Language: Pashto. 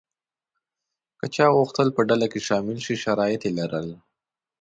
که چا غوښتل په ډله کې شامل شي شرایط یې لرل.